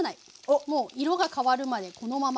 もう色が変わるまでこのまま。